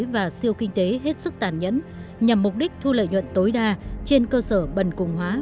và siêu kinh tế hết sức tàn nhẫn nhằm mục đích thu lợi nhuận tối đa trên cơ sở bần cùng hóa